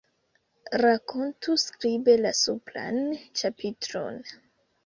Rakontu skribe la supran ĉapitron.